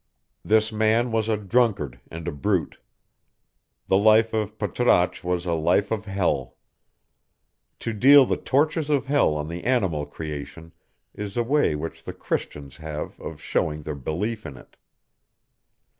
This man was a drunkard and a brute. The life of Patrasche was a life of hell. To deal the tortures of hell on the animal creation is a way which the Christians have of showing their belief in it.